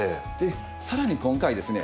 さらに今回ですね